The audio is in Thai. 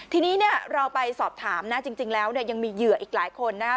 ทีนี้เนี่ยเราไปสอบถามนะจริงแล้วเนี่ยยังมีเหยื่ออีกหลายคนนะครับ